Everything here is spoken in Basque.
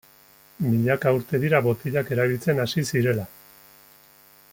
Milaka urte dira botilak erabiltzen hasi zirela.